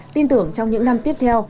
tin tưởng trong những năm tiếp theo